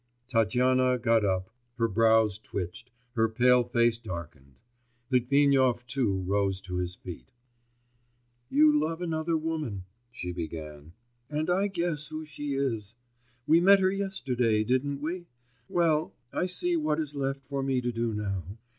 Tatyana got up, her brows twitched, her pale face darkened. Litvinov too rose to his feet. 'You love another woman,' she began, 'and I guess who she is.... We met her yesterday, didn't we?... Well, I see what is left for me to do now.